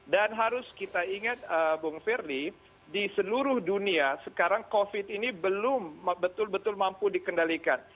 dan harus kita ingat bung ferli di seluruh dunia sekarang covid ini belum betul betul mampu dikendalikan